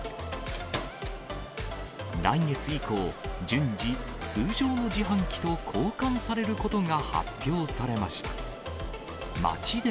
来月以降、順次、通常の自販機と交換されることが発表されました。